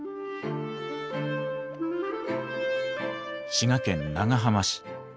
滋賀県長浜市。